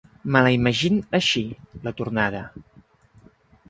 Me la imagín així, la tornada.